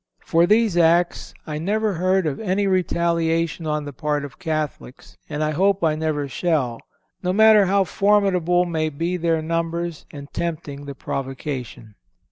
For these acts I never heard of any retaliation on the part of Catholics, and I hope I never shall, no matter how formidable may be their numbers and tempting the provocation.